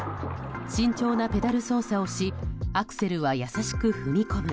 慎重なペダル操作をしアクセルは優しく踏み込む